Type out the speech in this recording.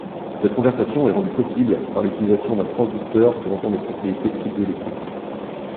Cette conversion est rendue possible par l'utilisation d'un transducteur présentant des propriétés piézo-électriques.